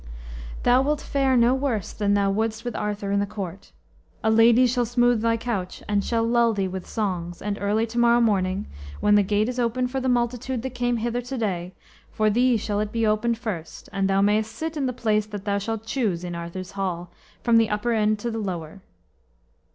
Thou wilt fare no worse there than thou wouldst with Arthur in the court. A lady shall smooth thy couch, and shall lull thee with songs; and early to morrow morning, when the gate is open for the multitude that came hither to day, for thee shall it be opened first, and thou mayest sit in the place that thou shalt choose in Arthur's hall, from the upper end to the lower."